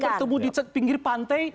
bertemu di pinggir pantai